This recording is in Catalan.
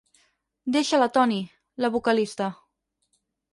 Deixa-la Toni, la vocalista.